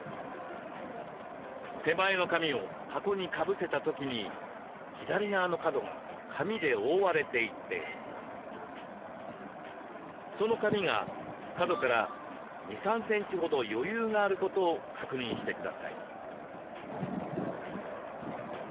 手前の紙を箱にかぶせた時に左側の角が紙で覆われていてその紙が角から２３センチほど余裕があることを確認してください。